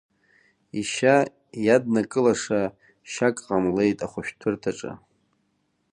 Ишьа иаднакылаша шьак ҟамлеит ахәышәтәыраҭаҿы.